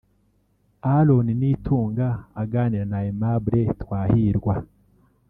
Aaron Nitunga aganira na Aimable Twahirwa